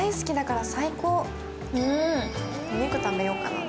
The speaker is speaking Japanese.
お肉食べようかな。